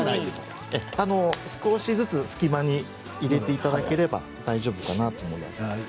少しずつ隙間に入れていただければ大丈夫です。